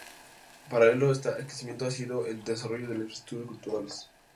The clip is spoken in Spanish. Paralelo a este crecimiento ha sido el desarrollo de las infraestructuras culturales.